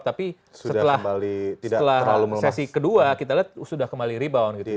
tapi setelah sesi kedua kita lihat sudah kembali rebound gitu